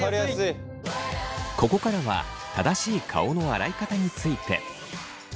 ここからは正しい顔の洗い方について。